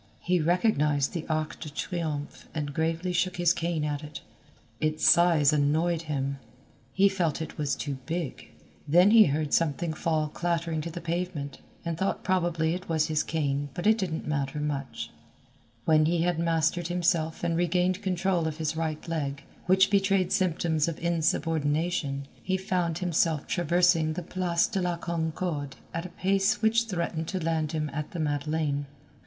He recognized the Arc de Triomphe and gravely shook his cane at it. Its size annoyed him. He felt it was too big. Then he heard something fall clattering to the pavement and thought probably it was his cane but it didn't much matter. When he had mastered himself and regained control of his right leg, which betrayed symptoms of insubordination, he found himself traversing the Place de la Concorde at a pace which threatened to land him at the Madeleine.